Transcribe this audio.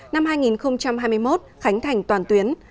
năm hai nghìn hai mươi một khánh thành toàn tuyến